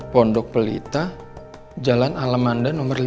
pondok pelita jalan alamanda nomor lima